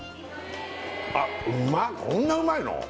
あうまこんなうまいの？